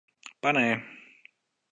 Pane!